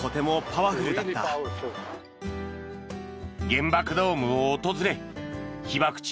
原爆ドームを訪れ被爆地